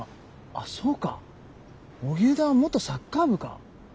あっそうか荻生田は元サッカー部か。